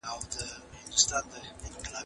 ولي نارینه او ښځه یو بل ته اړتیا لري؟